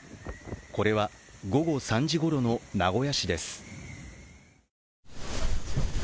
これは午後３時ごろの名古屋市です。